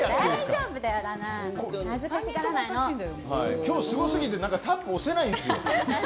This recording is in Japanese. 今日すごすぎてタップ押せないです。